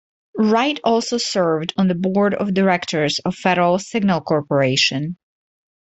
Wright also served on the Board of Directors of Federal Signal Corporation.